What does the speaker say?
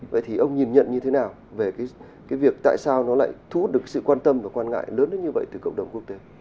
vậy thì ông nhìn nhận như thế nào về cái việc tại sao nó lại thu hút được sự quan tâm và quan ngại lớn đến như vậy từ cộng đồng quốc tế